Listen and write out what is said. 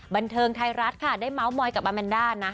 บันเทิงไทยรัฐค่ะได้เมาส์มอยกับบาแมนด้านะ